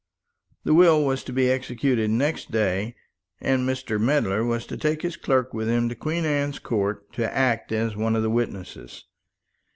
The will was to be executed next day; and Mr. Medler was to take his clerk with him to Queen Anne's Court, to act as one of the witnesses.